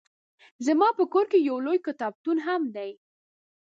زما په کور کې يو لوی کتابتون هم دی